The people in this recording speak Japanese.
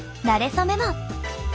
そメモ。